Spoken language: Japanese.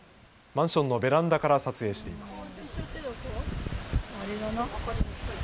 マンションのベランダから撮影しています。